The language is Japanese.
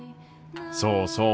そうそう。